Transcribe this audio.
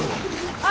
あっ！